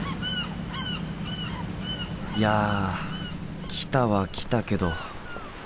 いや来たは来たけど。